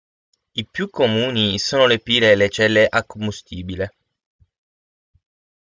I più comuni sono le pile e le celle a combustibile.